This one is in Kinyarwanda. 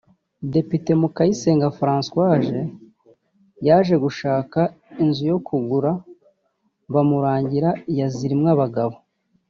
Depite Mukayisenga Françoise yaje gushaka inzu yo kugura bamurangira iya Zirimwabagabo